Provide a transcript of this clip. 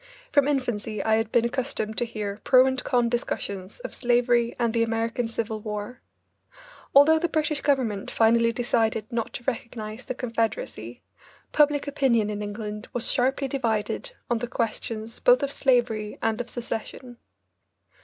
From infancy I had been accustomed to hear pro and con discussions of slavery and the American Civil War. Although the British government finally decided not to recognise the Confederacy, public opinion in England was sharply divided on the questions both of slavery and of secession.